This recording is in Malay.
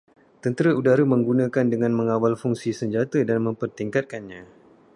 Tentera udara menggunakan dengan mengawal fungsi senjata dan mempertingkatkannya